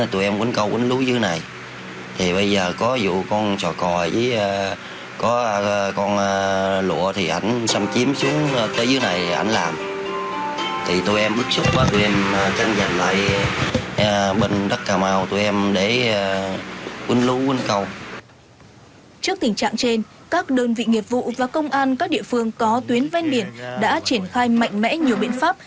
trước tình trạng trên các đơn vị nghiệp vụ và công an các địa phương có tuyến ven biển đã triển khai mạnh mẽ nhiều biện pháp